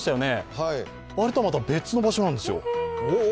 あれとは、また別の場所なんですよ。